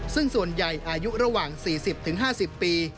ซึ่งส่วนใหญ่อายุระหว่าง๔๐๕๐ปี